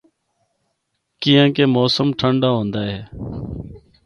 کیّانکہ موسم ٹھنڈا ہوندا اے۔